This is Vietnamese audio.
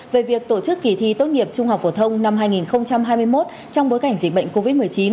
về việc tổ chức kỳ thi tốt nghiệp trung học phổ thông năm hai nghìn hai mươi một trong bối cảnh dịch bệnh covid một mươi chín